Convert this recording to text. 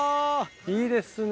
いいですね。